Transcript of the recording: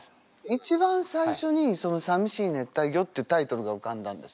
一番最初に「淋しい熱帯魚」っていうタイトルがうかんだんです。